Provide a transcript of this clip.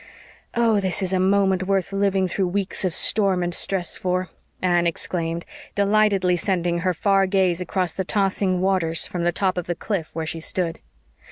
"Oh, this is a moment worth living through weeks of storm and stress for," Anne exclaimed, delightedly sending her far gaze across the tossing waters from the top of the cliff where she stood.